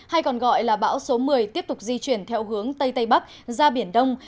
hay còn gọi là bão số một mươi tiếp tục di chuyển theo hướng tây tây bắc ra biển đông